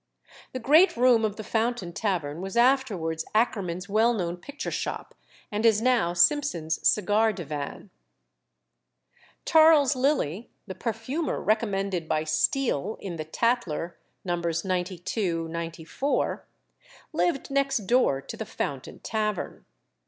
The great room of the Fountain Tavern was afterwards Akermann's well known picture shop; and is now Simpson's cigar divan. Charles Lillie, the perfumer recommended by Steele in the Tatler (Nos. 92, 94), lived next door to the Fountain Tavern.